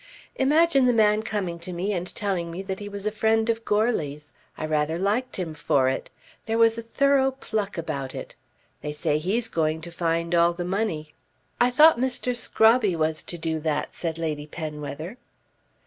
"Imagine the man coming to me and telling me that he was a friend of Goarly's. I rather liked him for it. There was a thorough pluck about it. They say he's going to find all the money." "I thought Mr. Scrobby was to do that?" said Lady Penwether.